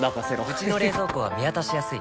うちの冷蔵庫は見渡しやすい